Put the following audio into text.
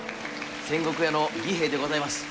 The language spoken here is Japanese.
仙石屋の義兵衛でございます。